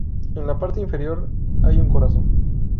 En la parte inferior hay un corazón.